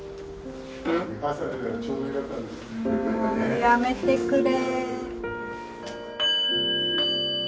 もうやめてくれ。